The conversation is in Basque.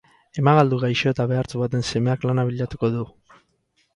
Emagaldu gaixo eta behartsu baten semeak lana bilatuko du.